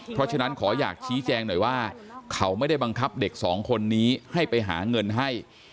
เพราะฉะนั้นขออยากชี้แจงหน่อยว่าเขาไม่ได้บังคับเด็กสองคนนี้ให้ไปหาเงินให้